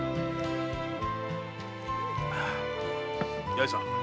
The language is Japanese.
八重さん。